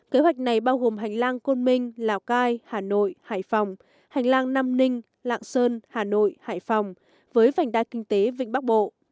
kế hoạch này bao gồm hành lang côn minh lào cai hà nội hải phòng hành lang nam ninh lạng sơn hà nội hải phòng với vành đai kinh tế vịnh bắc bộ